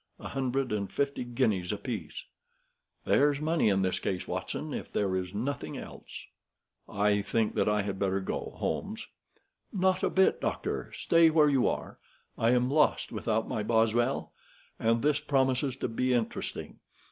A hundred and fifty guineas apiece. There's money in this case, Watson, if there is nothing else." "I think I had better go, Holmes." "Not a bit, doctor. Stay where you are. I am lost without my Boswell. And this promises to be interesting.